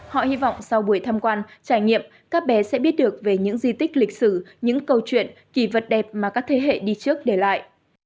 họ hy vọng sau buổi tham quan trải nghiệm các bé sẽ biết được về những di tích lịch sử những câu chuyện kỳ vật đẹp mà các thế hệ đi trước để lại